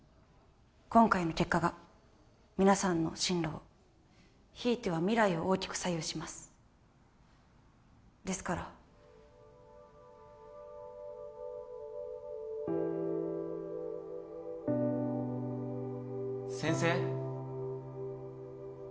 今回の結果が皆さんの進路をひいては未来を大きく左右しますですから・先生？